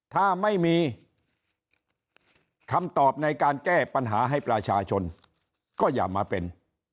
ถ้าไม่มีคำตอบในการแก้ปัญหาให้ประชาชนก็อย่ามาเป็น